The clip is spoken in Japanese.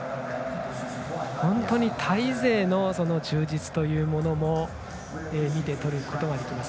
本当にタイ勢の充実というのも見て取ることができます。